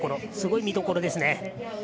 すごく見どころですね。